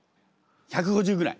１５０ぐらい。